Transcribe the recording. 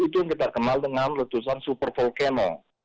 itu yang kita kenal dengan letusan super volcano